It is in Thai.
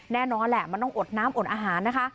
แน่นอนแหละมันต้องอดน้ำอดอาหารนะคะ